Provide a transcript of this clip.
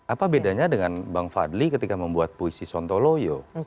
apa bedanya dengan bang fadli ketika membuat puisi sontoloyo